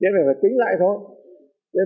đến đây phải tính lại thôi